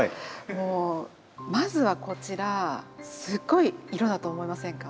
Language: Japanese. もうまずはこちらすごい色だと思いませんか？